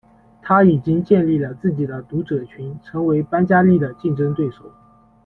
它已经建立了自己的读者群，成为班加利的竞争对手。